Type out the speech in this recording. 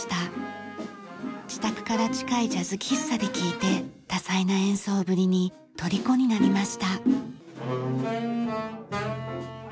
自宅から近いジャズ喫茶で聴いて多彩な演奏ぶりにとりこになりました。